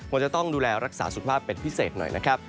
ควรจะต้องดูแลรักษาสุขภาพเป็นพิเศษหน่อยนะครับ